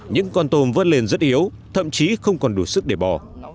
những con tôm vớt lên rất yếu thậm chí không còn đủ sức để bỏ